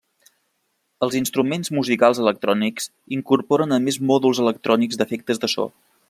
Els instruments musicals electrònics incorporen a més mòduls electrònics d'efectes de so.